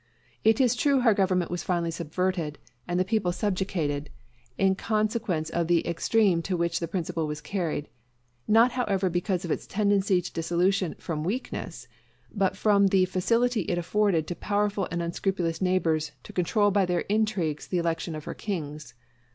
It is true her government was finally subverted, and the people subjugated, in consequence of the extreme to which the principle was carried; not however because of its tendency to dissolution from weakness, but from the facility it afforded to powerful and unscrupulous neighbors to control by their intrigues the election of her kings.